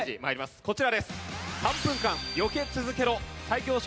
こちらです。